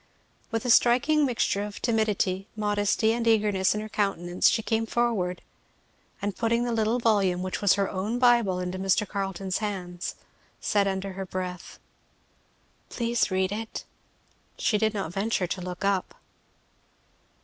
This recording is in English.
With a striking mixture of timidity, modesty, and eagerness in her countenance she came forward, and putting the little volume, which was her own Bible, into Mr. Carleton's hands said under her breath, "Please read it." She did not venture to look up.